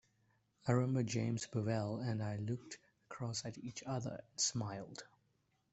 I remember James Bevel and I looked across at each other and smiled.